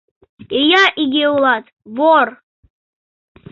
Ия иге улат, вор!